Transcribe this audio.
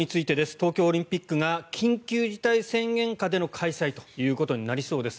東京オリンピックが緊急事態宣言下での開催となりそうです。